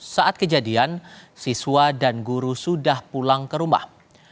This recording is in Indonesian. saat kejadian siswa dan guru sudah pulang ke rumah